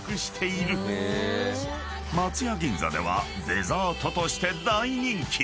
［松屋銀座ではデザートとして大人気！］